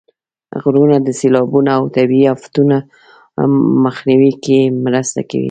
غرونه د سیلابونو او طبیعي افتونو مخنیوي کې مرسته کوي.